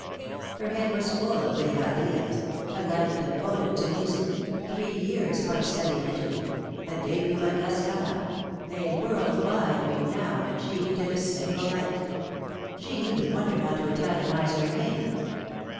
Her head was full of vague ideas a life devoted to music three years' hard study in Italy a debut at La Scala a world wide renown achieved in a single night. She even wondered how to Italianise her name.